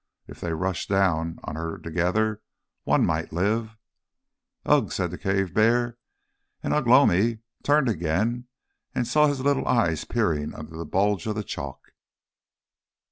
If they rushed down on her together, one might live. "Ugh?" said the cave bear, and Ugh lomi turned again and saw his little eyes peering under the bulge of the chalk.